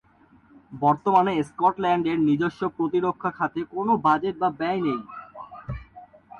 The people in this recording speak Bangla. বর্তমানে স্কটল্যান্ডের নিজস্ব প্রতিরক্ষা খাতে কোনো বাজেট বা ব্যয় নেই।